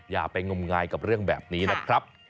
อย่าไปงมงายกับเรื่องแบบนี้นะครับ